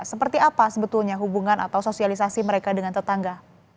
seperti apa sebetulnya hubungan atau sosialisasi mereka dengan tetangga